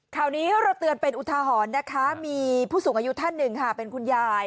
ข่าวนี้เราเตือนเป็นอุทาหรณ์นะคะมีผู้สูงอายุท่านหนึ่งค่ะเป็นคุณยาย